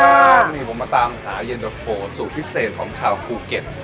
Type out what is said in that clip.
วันนี้ผมมาตามหาเย็นตะโฟสูตรพิเศษของชาวภูเก็ต